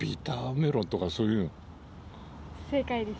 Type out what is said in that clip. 正解です。